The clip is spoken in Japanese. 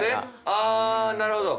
ああなるほど。